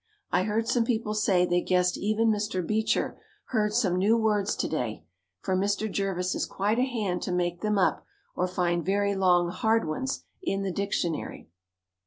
I heard some people say they guessed even Mr. Beecher heard some new words to day, for Mr. Jervis is quite a hand to make them up or find very long hard ones in the dictionary.